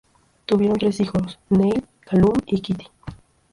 Tuvieron tres hijos: Neill, Calum, y Kitty.